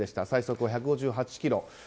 最速は１５８キロ。